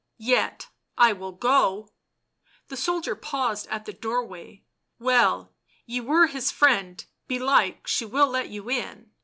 "Yet I will go." The soldier paused at the doorway. " Well, ye were his friend, belike she will let you in."